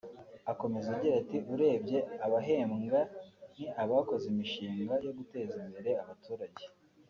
Akomeza agira ati “Urebye abahembwa ni abakoze imishinga yo guteza imbere abaturage